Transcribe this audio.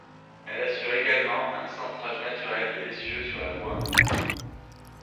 Elle assure également un centrage naturel de l'essieu sur la voie.